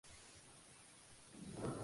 Ventralmente son amarillentos.